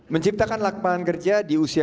menciptakan lapangan kerja di usia